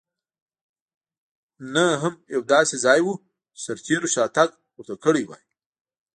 نه هم یو داسې ځای و چې سرتېرو شاتګ ورته کړی وای.